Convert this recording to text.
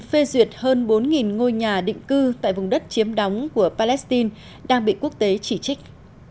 phê duyệt hơn bốn ngôi nhà định cư tại vùng đất chiếm đóng của palestine đang bị quốc tế chỉ trích